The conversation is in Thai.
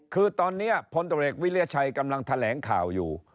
คือตอนนี้พลตรวจเอกวิริยชัยกำลังแถลงข่าวอยู่